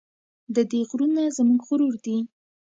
د دې غرونه زموږ غرور دی